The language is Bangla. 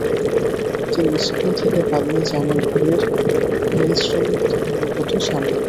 তিনি স্কুল থেকে পালিয়ে জামালপুরের রেল শ্রমিক ধর্মঘটে সামিল হন।